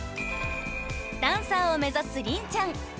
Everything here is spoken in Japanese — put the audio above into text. ［ダンサーを目指す凛ちゃん］